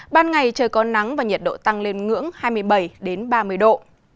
ban ngày trời có nắng và nhiệt độ tăng lên ngưỡng hai mươi bảy ba mươi độ